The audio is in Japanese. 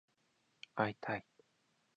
会いたい